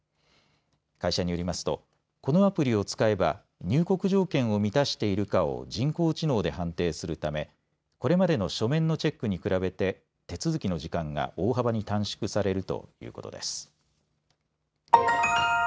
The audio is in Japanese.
会社によりますとこのアプリを使えば入国条件を満たしているかを人工知能で判定するためこれまでの書面のチェックに比べて手続きの時間が大幅に短縮されるということです。